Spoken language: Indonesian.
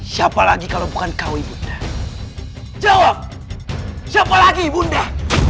siapa lagi kalau bukan kau ibu nda jawab siapa lagi ibu nda